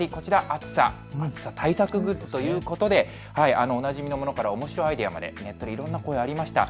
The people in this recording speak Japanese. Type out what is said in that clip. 暑さ対策グッズということでおなじみのものからおもしろアイデアまでネットでいろいろな声、ありました。